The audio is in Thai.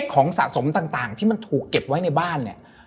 ของสะสมต่างที่ถูกเก็บไว้ในบ้าน